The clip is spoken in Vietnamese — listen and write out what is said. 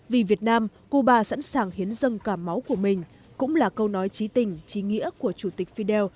vì việt nam cuba sẵn sàng hiến dân cả máu của mình cũng là câu nói trí tình trí nghĩa của chủ tịch fidel